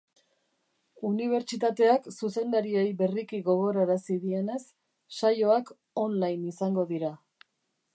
Unibertsitateak zuzendariei berriki gogorarazi dienez, saioak online izango dira.